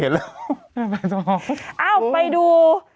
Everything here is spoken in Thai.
เอ้าไปดู